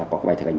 hoặc bài thực hành